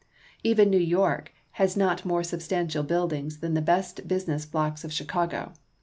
Even New York has not more substantial buildings than the best business blocks of Chicago.